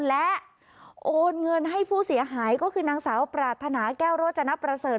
และโอนเงินให้ผู้เสียหายก็คือนางสาวปรารถนาแก้วโรจนประเสริฐ